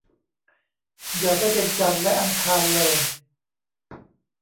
อย่าได้เป็นจันทร์และอังคารเลย